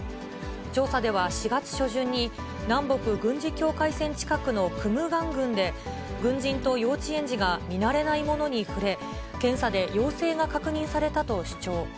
調査では４月初旬に、南北軍事境界線近くのクムガン郡で、軍人と幼稚園児が見慣れない物に触れ、検査で陽性が確認されたと主張。